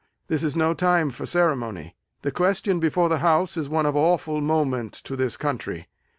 This is no time for ceremony. The question before the House is one of awful moment to this country.